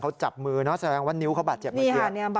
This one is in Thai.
เขาจับมือแสดงว่านิ้วเขาบาดเจ็บเมื่อกี้